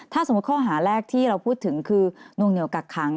ถ้าสมมุติข้อหาแรกที่เราพูดถึงคือนวงเหนียวกักขัง